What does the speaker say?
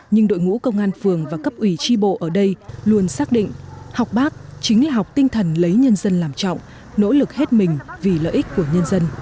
nhưng đội ngũ công an phường và cấp ủy tri bộ ở đây luôn xác định học bác chính là học tinh thần lấy nhân dân làm trọng nỗ lực hết mình vì lợi ích của nhân dân